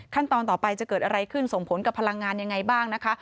ต่อไปจะเกิดอะไรขึ้นส่งผลกับพลังงานยังไงบ้างนะคะ